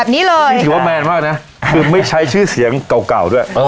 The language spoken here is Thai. แบบนี้เลยถือว่าแมนมากนะคือไม่ใช้ชื่อเสียงเก่าเก่าด้วยเออ